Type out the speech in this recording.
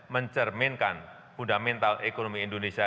mencerminkan fundamental ekonomi indonesia